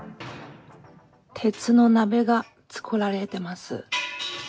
鉄の壁が作られてます。